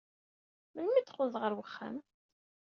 Melmi ay d-teqqled ɣer wexxam?